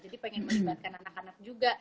jadi pengen menyebabkan anak anak juga